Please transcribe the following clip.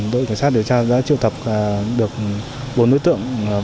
đội cảnh sát điều tra đã triệu tập được bốn đối tượng